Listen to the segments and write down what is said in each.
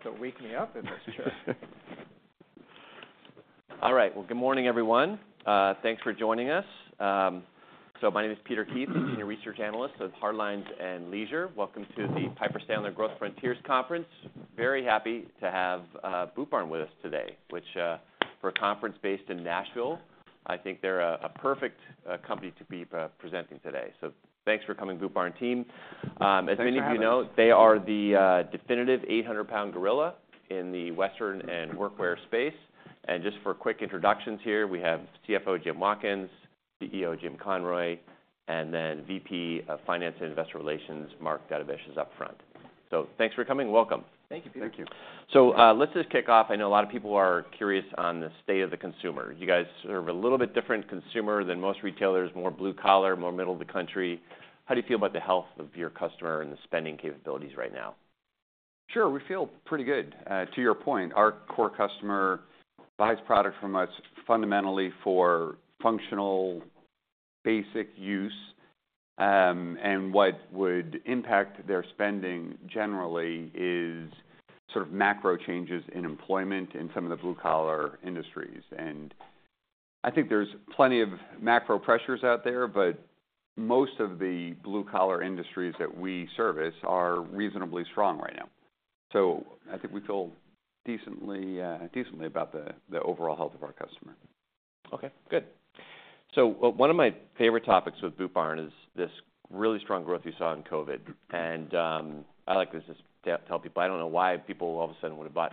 It'll wake me up, that's for sure. All right, well, good morning, everyone. Thanks for joining us. So my name is Peter Keith, the Senior Research Analyst with Hardlines and Leisure. Welcome to the Piper Sandler Growth Frontiers Conference. Very happy to have Boot Barn with us today, which, for a conference based in Nashville, I think they're a perfect company to be presenting today. So thanks for coming, Boot Barn team. Thanks for having us. As many of you know, they are the definitive 800-pound gorilla in the Western and workwear space. Just for quick introductions here, we have CFO Jim Watkins; CEO Jim Conroy; and then VP of Finance and Investor Relations, Mark Dedovich is up front. So thanks for coming, welcome. Thank you, Peter. Thank you. So, let's just kick off. I know a lot of people are curious on the state of the consumer. You guys serve a little bit different consumer than most retailers, more blue collar, more middle of the country. How do you feel about the health of your customer and the spending capabilities right now? Sure. We feel pretty good. To your point, our core customer buys product from us fundamentally for functional, basic use. And what would impact their spending generally is sort of macro changes in employment in some of the blue-collar industries. And I think there's plenty of macro pressures out there, but most of the blue-collar industries that we service are reasonably strong right now. So I think we feel decently, decently about the, the overall health of our customer. Okay, good. So one of my favorite topics with Boot Barn is this really strong growth you saw in COVID. And, I like to just tell, tell people, I don't know why people all of a sudden would have bought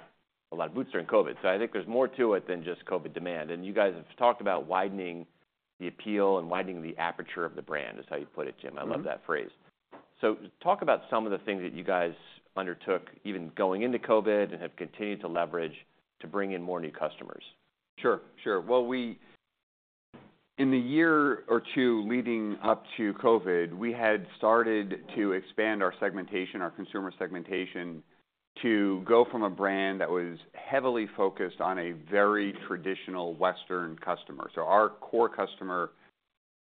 a lot of boots during COVID, so I think there's more to it than just COVID demand. And you guys have talked about widening the appeal and widening the aperture of the brand, is how you put it, Jim. Mm-hmm. I love that phrase. So talk about some of the things that you guys undertook, even going into COVID, and have continued to leverage to bring in more new customers. Sure, sure. Well, we in the year or two leading up to COVID, we had started to expand our segmentation, our consumer segmentation, to go from a brand that was heavily focused on a very traditional Western customer. So our core customer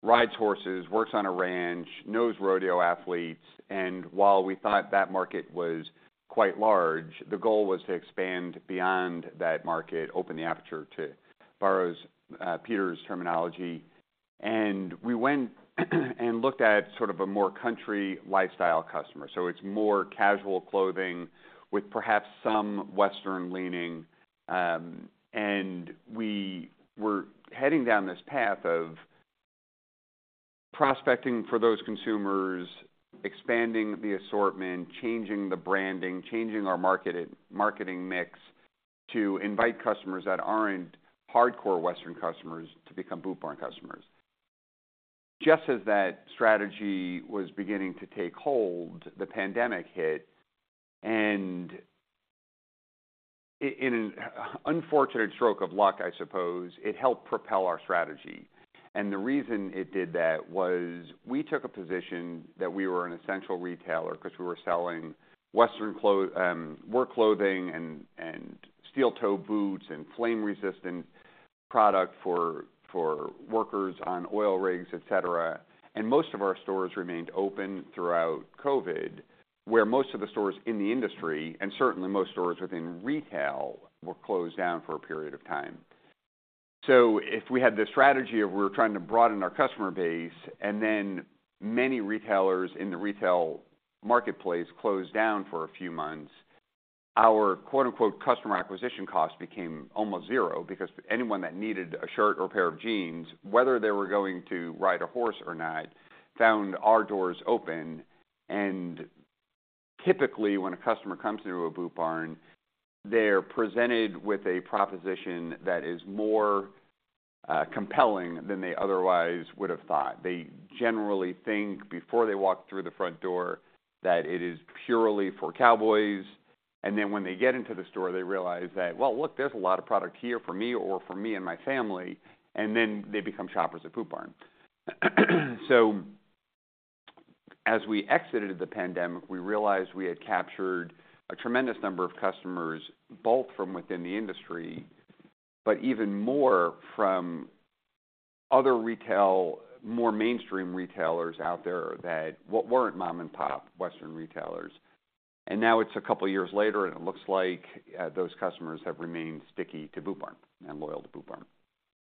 rides horses, works on a ranch, knows rodeo athletes, and while we thought that market was quite large, the goal was to expand beyond that market, open the aperture, to borrow Peter's terminology. And we went and looked at sort of a more country lifestyle customer. So it's more casual clothing with perhaps some Western leaning. And we were heading down this path of prospecting for those consumers, expanding the assortment, changing the branding, changing our marketing mix to invite customers that aren't hardcore Western customers to become Boot Barn customers. Just as that strategy was beginning to take hold, the pandemic hit, and in an unfortunate stroke of luck, I suppose, it helped propel our strategy. The reason it did that was, we took a position that we were an essential retailer because we were selling Western work clothing and steel-toe boots, and flame-resistant product for workers on oil rigs, et cetera. Most of our stores remained open throughout COVID, where most of the stores in the industry, and certainly most stores within retail, were closed down for a period of time. So if we had this strategy of we were trying to broaden our customer base, and then many retailers in the retail marketplace closed down for a few months, our quote, unquote, "customer acquisition cost" became almost zero because anyone that needed a shirt or a pair of jeans, whether they were going to ride a horse or not, found our doors open. Typically, when a customer comes into a Boot Barn, they're presented with a proposition that is more, compelling than they otherwise would have thought. They generally think, before they walk through the front door, that it is purely for cowboys, and then when they get into the store, they realize that, "Well, look, there's a lot of product here for me or for me and my family," and then they become shoppers at Boot Barn. So as we exited the pandemic, we realized we had captured a tremendous number of customers, both from within the industry, but even more from other retail, more mainstream retailers out there that weren't mom-and-pop Western retailers. And now it's a couple of years later, and it looks like those customers have remained sticky to Boot Barn and loyal to Boot Barn.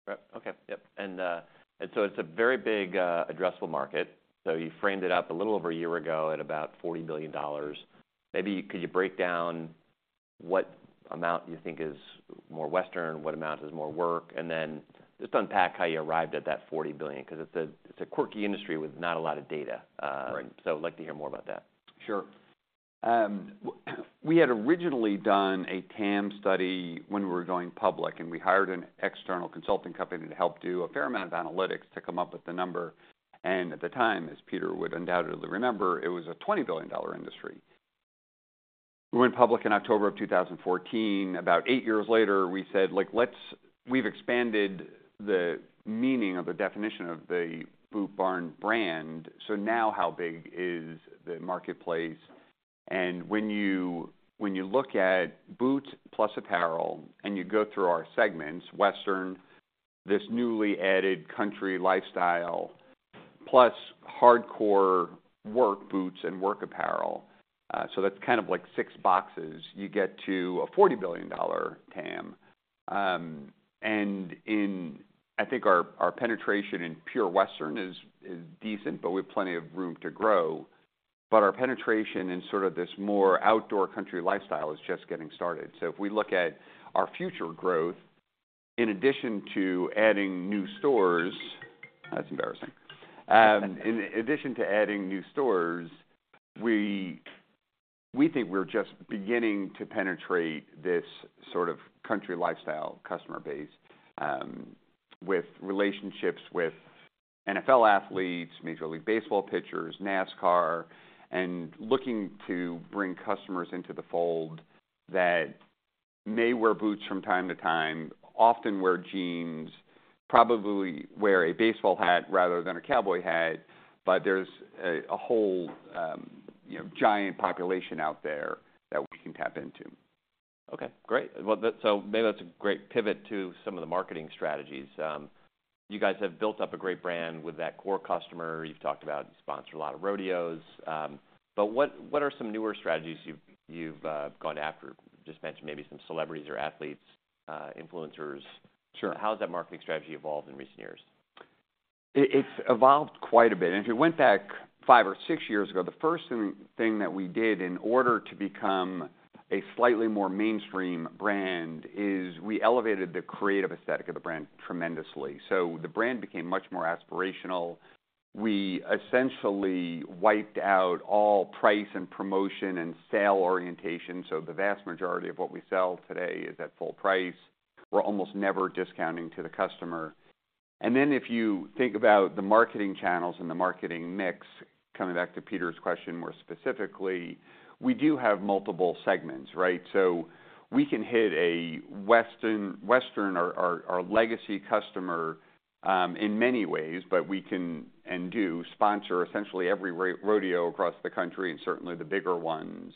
Right. Okay, yep. And so it's a very big addressable market. So you framed it up a little over a year ago at about $40 billion. Maybe could you break down what amount you think is more Western, what amount is more work, and then just unpack how you arrived at that $40 billion? Because it's a quirky industry with not a lot of data. Right. I'd like to hear more about that. Sure. We had originally done a TAM study when we were going public, and we hired an external consulting company to help do a fair amount of analytics to come up with the number. And at the time, as Peter would undoubtedly remember, it was a $20 billion industry. We went public in October of 2014. About eight years later, we said, we've expanded the meaning of the definition of the Boot Barn brand, so now how big is the marketplace? And when you look at boots plus apparel, and you go through our segments, Western, this newly added country lifestyle plus hardcore work boots and work apparel, so that's kind of like six boxes, you get to a $40 billion TAM. I think our penetration in pure Western is decent, but we have plenty of room to grow. But our penetration in sort of this more outdoor country lifestyle is just getting started. So if we look at our future growth, in addition to adding new stores, that's embarrassing. In addition to adding new stores, we think we're just beginning to penetrate this sort of country lifestyle customer base, with relationships with NFL athletes, Major League Baseball pitchers, NASCAR, and looking to bring customers into the fold that may wear boots from time to time, often wear jeans, probably wear a baseball hat rather than a cowboy hat, but there's a whole, you know, giant population out there that we can tap into. Okay, great. Well, that—so maybe that's a great pivot to some of the marketing strategies. You guys have built up a great brand with that core customer. You've talked about you sponsor a lot of rodeos, but what are some newer strategies you've gone after? Just mentioned maybe some celebrities or athletes, influencers. Sure. How has that marketing strategy evolved in recent years? It's evolved quite a bit, and if you went back five or six years ago, the first thing that we did in order to become a slightly more mainstream brand, is we elevated the creative aesthetic of the brand tremendously. So the brand became much more aspirational. We essentially wiped out all price and promotion and sale orientation, so the vast majority of what we sell today is at full price. We're almost never discounting to the customer. And then, if you think about the marketing channels and the marketing mix, coming back to Peter's question, more specifically, we do have multiple segments, right? So we can hit a Western, our legacy customer in many ways, but we can and do sponsor essentially every rodeo across the country, and certainly the bigger ones.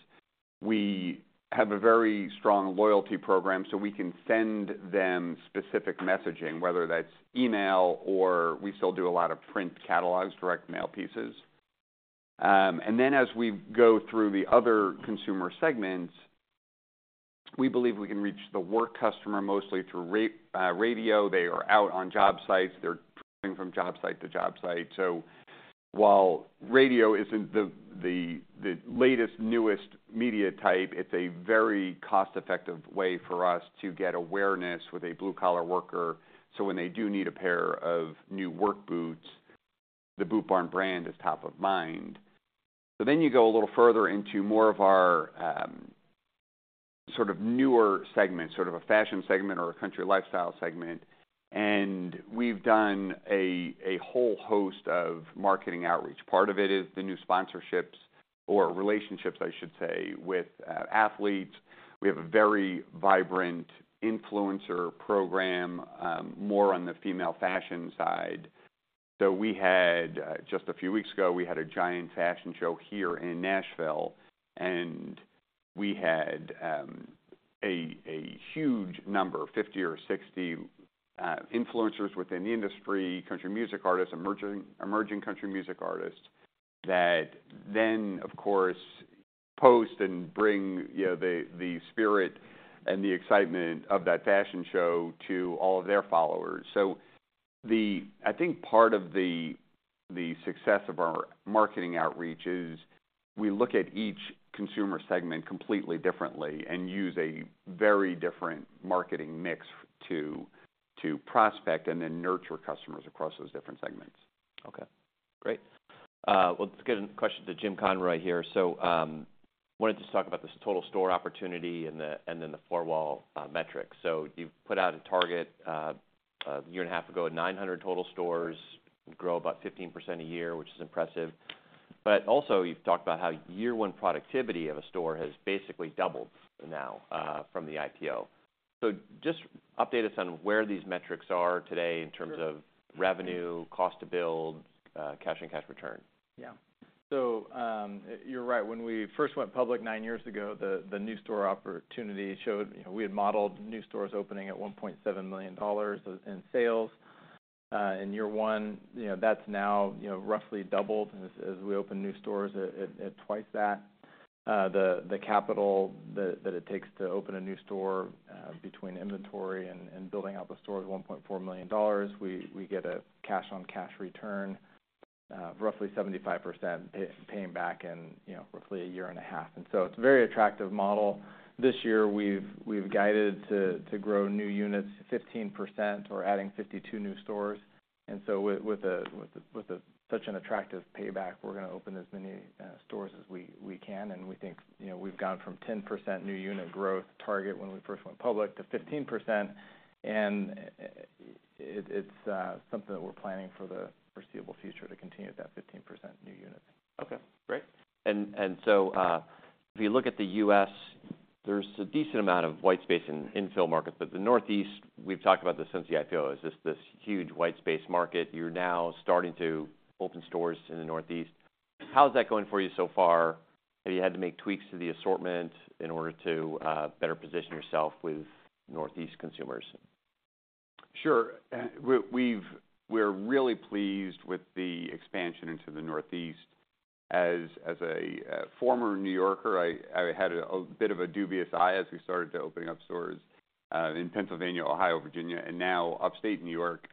We have a very strong loyalty program, so we can send them specific messaging, whether that's email or we still do a lot of print catalogs, direct mail pieces. And then as we go through the other consumer segments, we believe we can reach the work customer mostly through radio. They are out on job sites. They're traveling from job site to job site. So while radio isn't the latest, newest media type, it's a very cost-effective way for us to get awareness with a blue-collar worker, so when they do need a pair of new work boots, the Boot Barn brand is top of mind. So then you go a little further into more of our sort of newer segments, sort of a fashion segment or a country lifestyle segment, and we've done a whole host of marketing outreach. Part of it is the new sponsorships or relationships, I should say, with athletes. We have a very vibrant influencer program, more on the female fashion side. So we had just a few weeks ago, we had a giant fashion show here in Nashville, and we had a huge number, 50 or 60, influencers within the industry, country music artists, emerging country music artists, that then, of course, post and bring, you know, the spirit and the excitement of that fashion show to all of their followers. So the... I think part of the success of our marketing outreach is, we look at each consumer segment completely differently and use a very different marketing mix to prospect and then nurture customers across those different segments. Okay, great. Well, let's get a question to Jim Conroy here. So, wanted to talk about this total store opportunity and then the four-wall metrics. So you've put out a target, a year and a half ago, of 900 total stores, grow about 15% a year, which is impressive. But also, you've talked about how year one productivity of a store has basically doubled now, from the IPO. So just update us on where these metrics are today in terms of revenue, cost to build, cash-on-cash return. Yeah. So, you're right. When we first went public nine years ago, the new store opportunity showed, you know, we had modeled new stores opening at $1.7 million in sales in year one. You know, that's now, you know, roughly doubled as we open new stores at twice that. The capital that it takes to open a new store between inventory and building out the store is $1.4 million. We get a cash-on-cash return of roughly 75%, paying back in, you know, roughly a year and a half. And so it's a very attractive model. This year, we've guided to grow new units 15%. We're adding 52 new stores. And so with such an attractive payback, we're gonna open as many stores as we can. And we think, you know, we've gone from 10% new unit growth target when we first went public to 15%, and it's something that we're planning for the foreseeable future to continue at that 15% new units. Okay, great. So, if you look at the U.S., there's a decent amount of white space in infill markets. But the Northeast, we've talked about this since the IPO, is just this huge white space market. You're now starting to open stores in the Northeast. How is that going for you so far? Have you had to make tweaks to the assortment in order to better position yourself with Northeast consumers?... Sure. We're really pleased with the expansion into the Northeast. As a former New Yorker, I had a bit of a dubious eye as we started opening up stores in Pennsylvania, Ohio, Virginia, and now upstate New York.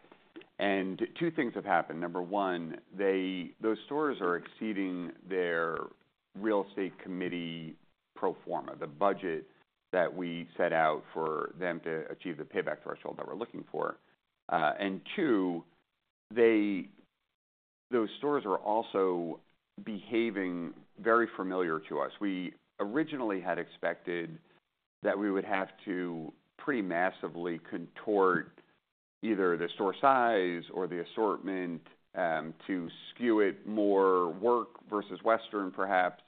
Two things have happened: number one, those stores are exceeding their Real Estate Committee pro forma, the budget that we set out for them to achieve the payback threshold that we're looking for. And two, those stores are also behaving very familiarly to us. We originally had expected that we would have to pretty massively contort either the store size or the assortment to skew it more work versus Western, perhaps.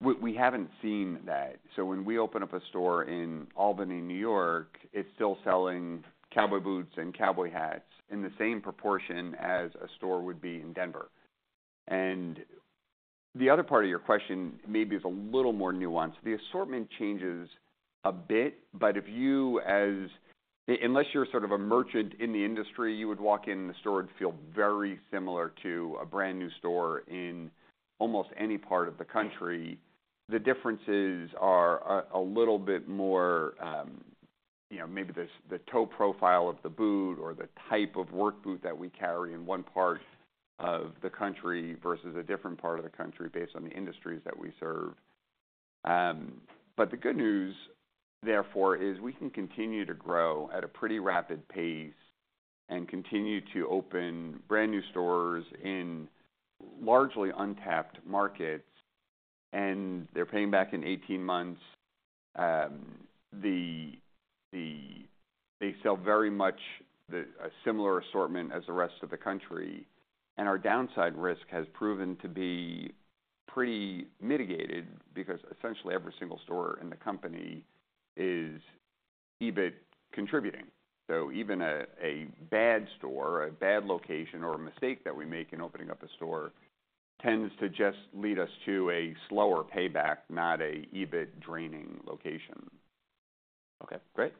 We haven't seen that. So when we open up a store in Albany, New York, it's still selling cowboy boots and cowboy hats in the same proportion as a store would be in Denver. And the other part of your question maybe is a little more nuanced. The assortment changes a bit, but if you, unless you're sort of a merchant in the industry, you would walk in, and the store would feel very similar to a brand-new store in almost any part of the country. The differences are a little bit more, you know, maybe there's the toe profile of the boot or the type of work boot that we carry in one part of the country versus a different part of the country based on the industries that we serve. But the good news, therefore, is we can continue to grow at a pretty rapid pace and continue to open brand-new stores in largely untapped markets, and they're paying back in 18 months. They sell very much a similar assortment as the rest of the country, and our downside risk has proven to be pretty mitigated because essentially, every single store in the company is EBIT contributing. So even a bad store, a bad location, or a mistake that we make in opening up a store, tends to just lead us to a slower payback, not a EBIT-draining location. Okay, great.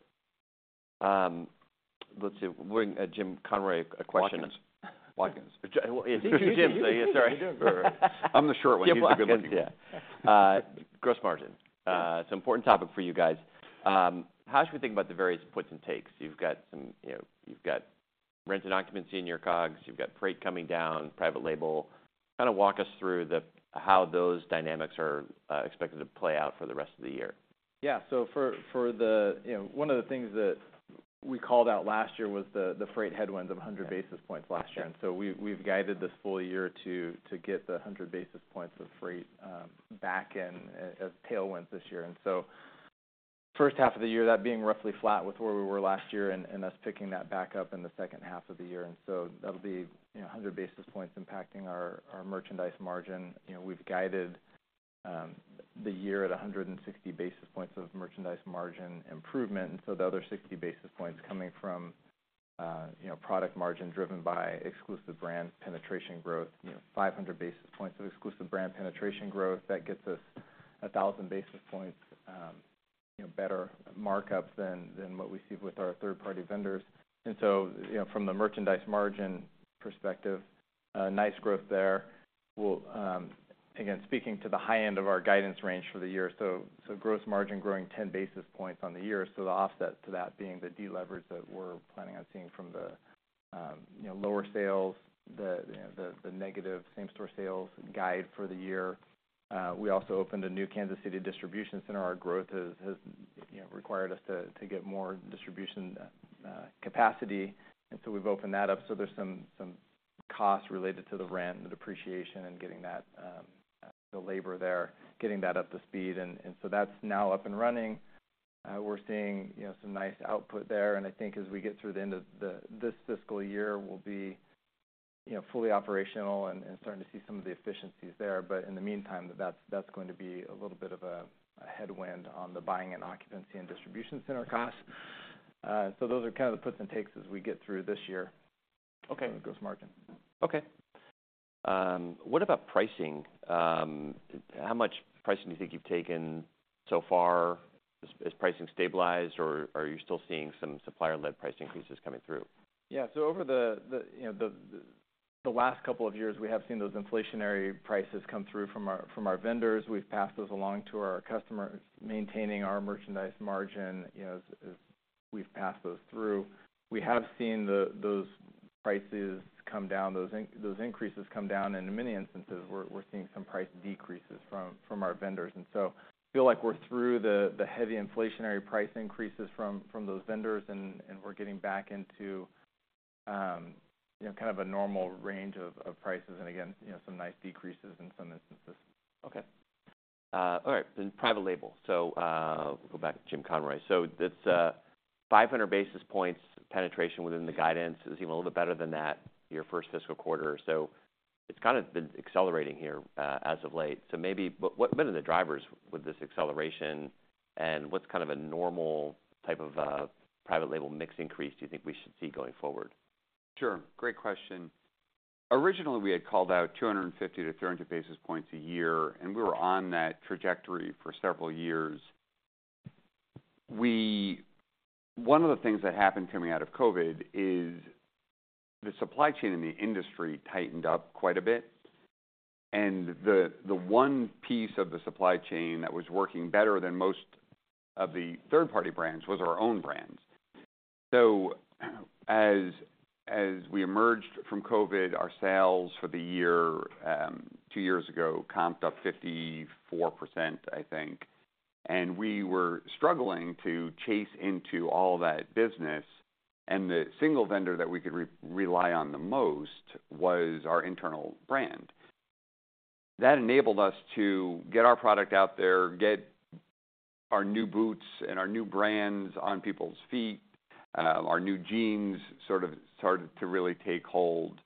Let's see, we're-- Jim Conroy, a question- Watkins. Well, it's two Jims. Sorry. I'm the short one. He's the good looking. Yeah, Watkins, yeah. Gross margin, it's an important topic for you guys. How should we think about the various puts and takes? You've got some, you know, you've got rented occupancy in your COGS, you've got freight coming down, private label. Kind of walk us through the, how those dynamics are, expected to play out for the rest of the year. Yeah. So for the... You know, one of the things that we called out last year was the freight headwinds of 100 basis points last year. Okay. And so we've guided this full year to get the 100 basis points of freight back in as tailwinds this year. And so first half of the year, that being roughly flat with where we were last year, and us picking that back up in the second half of the year. And so that'll be, you know, 100 basis points impacting our merchandise margin. You know, we've guided the year at 160 basis points of merchandise margin improvement, and so the other 60 basis points coming from, you know, product margin driven by exclusive brand penetration growth. You know, 500 basis points of exclusive brand penetration growth, that gets us 1,000 basis points, you know, better markup than what we see with our third-party vendors. And so, you know, from the merchandise margin perspective, a nice growth there. We'll again, speaking to the high end of our guidance range for the year, so gross margin growing 10 basis points on the year. So the offset to that being the deleverage that we're planning on seeing from the, you know, lower sales, the negative same-store sales guide for the year. We also opened a new Kansas City distribution center. Our growth has, you know, required us to get more distribution capacity, and so we've opened that up. So there's some costs related to the rent and the depreciation and getting that, the labor there, getting that up to speed. And so that's now up and running. We're seeing, you know, some nice output there, and I think as we get through the end of this fiscal year, we'll be, you know, fully operational and starting to see some of the efficiencies there. But in the meantime, that's going to be a little bit of a headwind on the buying and occupancy and distribution center costs. So those are kind of the puts and takes as we get through this year- Okay. with gross margin. Okay. What about pricing? How much pricing do you think you've taken so far? Has pricing stabilized, or are you still seeing some supplier-led price increases coming through? Yeah. So over the last couple of years, we have seen those inflationary prices come through from our vendors. We've passed those along to our customers, maintaining our merchandise margin, you know, as we've passed those through. We have seen those prices come down, those increases come down, and in many instances, we're seeing some price decreases from our vendors. And so I feel like we're through the heavy inflationary price increases from those vendors, and we're getting back into, you know, kind of a normal range of prices, and again, you know, some nice decreases in some instances. Okay. All right, then private label. So, we'll go back to Jim Conroy. So this, 500 basis points penetration within the guidance is even a little bit better than that, your first fiscal quarter. So it's kind of been accelerating here, as of late. So maybe, but what, what are the drivers with this acceleration, and what's kind of a normal type of, private label mix increase do you think we should see going forward? Sure. Great question. Originally, we had called out 250-300 basis points a year, and we were on that trajectory for several years. One of the things that happened coming out of COVID is the supply chain in the industry tightened up quite a bit, and the one piece of the supply chain that was working better than most of the third-party brands was our own brands. So as we emerged from COVID, our sales for the year two years ago comped up 54%, I think, and we were struggling to chase into all that business, and the single vendor that we could rely on the most was our internal brand. That enabled us to get our product out there, get our new boots and our new brands on people's feet, our new jeans sort of started to really take hold.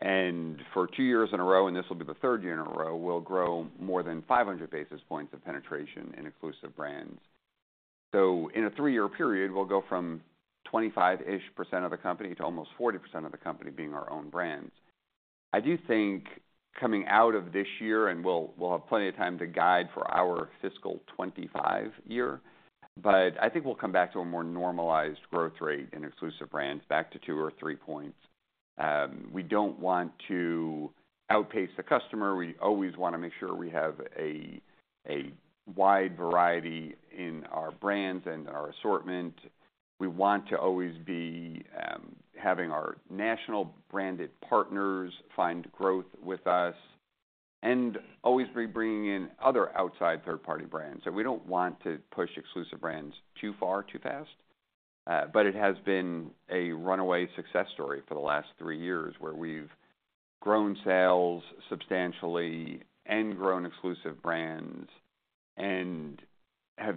And for two years in a row, and this will be the third year in a row, we'll grow more than 500 basis points of penetration in exclusive brands. So in a three year period, we'll go from 25-ish% of the company to almost 40% of the company being our own brands. I do think coming out of this year, and we'll, we'll have plenty of time to guide for our fiscal 2025 year, but I think we'll come back to a more normalized growth rate in exclusive brands, back to 2 or 3 points. We don't want to outpace the customer. We always want to make sure we have a wide variety in our brands and our assortment. We want to always be having our national branded partners find growth with us and always be bringing in other outside third-party brands. So we don't want to push exclusive brands too far, too fast. But it has been a runaway success story for the last three years, where we've grown sales substantially and grown exclusive brands and have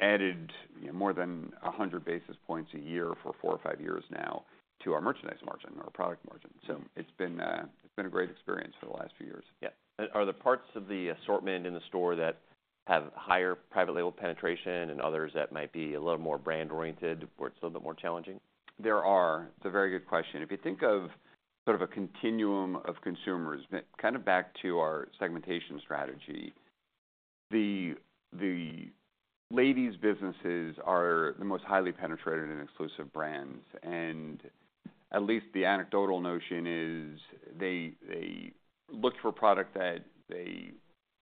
added more than 100 basis points a year for four or five years now to our merchandise margin, our product margin. So it's been a great experience for the last few years. Yeah. Are there parts of the assortment in the store that have higher private label penetration and others that might be a little more brand-oriented, where it's a little bit more challenging? There are. It's a very good question. If you think of sort of a continuum of consumers, kind of back to our segmentation strategy, the ladies businesses are the most highly penetrated in exclusive brands, and at least the anecdotal notion is they look for a product that they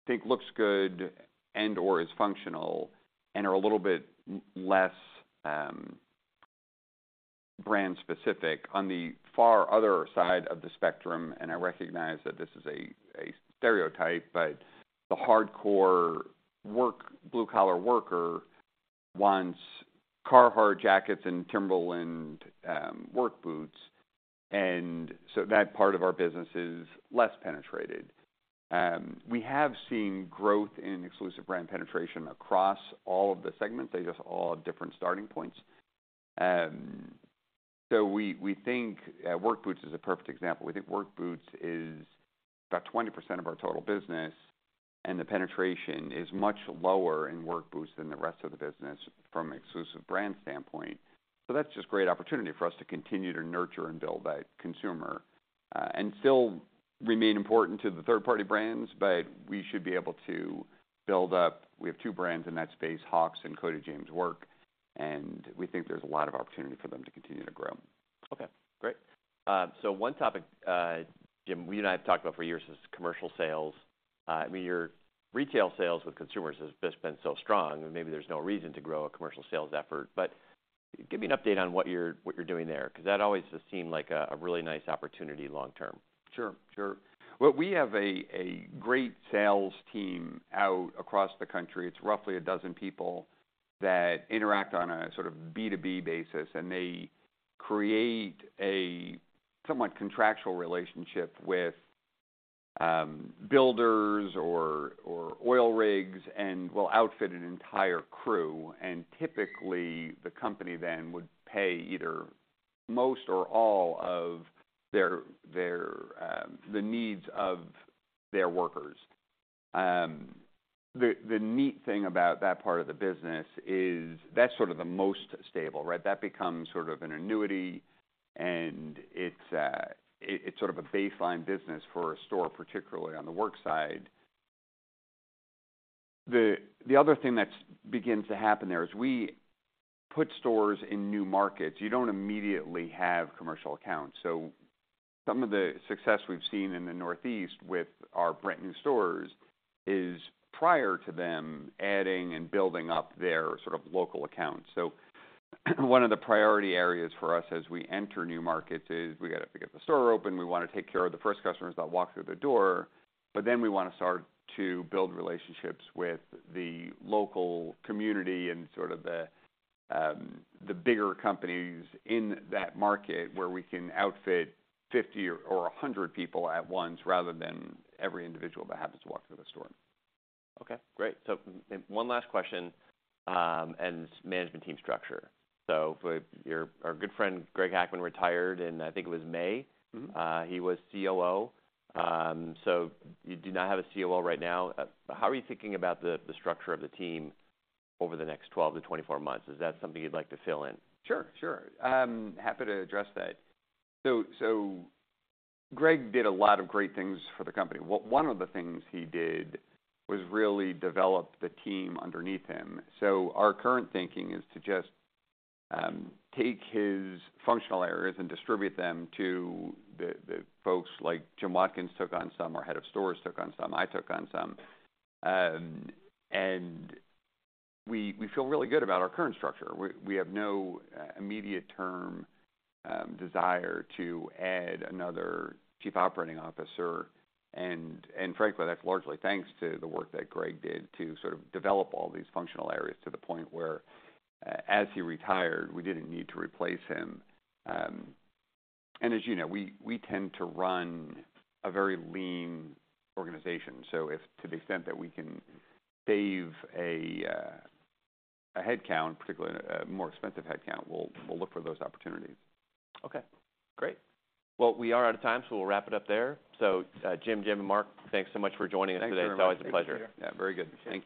think looks good and/or is functional and are a little bit less brand specific. On the far other side of the spectrum, and I recognize that this is a stereotype, but the hardcore work blue-collar worker wants Carhartt jackets and Timberland work boots, and so that part of our business is less penetrated. We have seen growth in exclusive brand penetration across all of the segments. They just all have different starting points. So we think work boots is a perfect example. We think work boots is about 20% of our total business, and the penetration is much lower in work boots than the rest of the business from exclusive brand standpoint. So that's just great opportunity for us to continue to nurture and build that consumer, and still remain important to the third-party brands, but we should be able to build up. We have two brands in that space, Hawx and Cody James Work, and we think there's a lot of opportunity for them to continue to grow. Okay, great. So one topic, Jim, we and I have talked about for years is commercial sales. I mean, your retail sales with consumers has just been so strong, and maybe there's no reason to grow a commercial sales effort, but give me an update on what you're doing there, 'cause that always just seemed like a really nice opportunity long term. Sure, sure. Well, we have a great sales team out across the country. It's roughly a dozen people that interact on a sort of B2B basis, and they create a somewhat contractual relationship with builders or oil rigs and will outfit an entire crew. And typically, the company then would pay either most or all of their needs of their workers. The neat thing about that part of the business is that's sort of the most stable, right? That becomes sort of an annuity, and it's sort of a baseline business for a store, particularly on the work side. The other thing that's begins to happen there is, we put stores in new markets. You don't immediately have commercial accounts. So some of the success we've seen in the Northeast with our brand new stores is prior to them adding and building up their sort of local accounts. So one of the priority areas for us as we enter new markets is we gotta get the store open. We wanna take care of the first customers that walk through the door, but then we want to start to build relationships with the local community and sort of the, the bigger companies in that market where we can outfit 50 or 100 people at once rather than every individual that happens to walk through the store. Okay, great. So one last question, and management team structure. So for your, our good friend, Greg Hackman, retired in, I think it was May. Mm-hmm. He was COO. So you do not have a COO right now. How are you thinking about the structure of the team over the next 12-24 months? Is that something you'd like to fill in? Sure, sure. I'm happy to address that. So, Greg did a lot of great things for the company. One of the things he did was really develop the team underneath him. So our current thinking is to just take his functional areas and distribute them to the folks like Jim Watkins took on some, our head of stores took on some, I took on some. And we feel really good about our current structure. We have no immediate term desire to add another chief operating officer, and frankly, that's largely thanks to the work that Greg did to sort of develop all these functional areas to the point where, as he retired, we didn't need to replace him. As you know, we tend to run a very lean organization, so if to the extent that we can save a headcount, particularly a more expensive headcount, we'll look for those opportunities. Okay, great. Well, we are out of time, so we'll wrap it up there. So, Jim, Jim, and Mark, thanks so much for joining us today. Thanks very much. It's always a pleasure. Yeah, very good. Thank you.